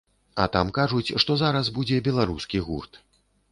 А там кажуць, што зараз будзе беларускі гурт.